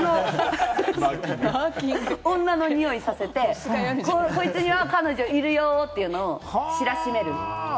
女の匂いをさせて、こいつには彼女いるよっていうのを知らしめる。